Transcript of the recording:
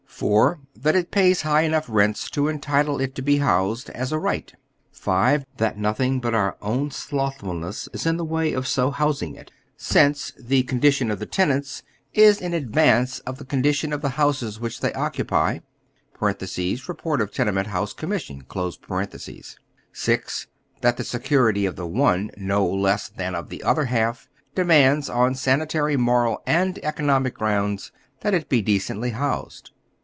IV. That it pays high enough rents to entitle it to be so housed, as a right. V. That nothing but our own slothfulness is in the way of so housing it, since " the condition of the tenants is in advance of the condition of the houses which they occupy " (lieport of Tenement house Commission). VI. Tliat the security of the one no less than of the other half demands, on sanitary, moral, and economic grounds, that it be decently housed.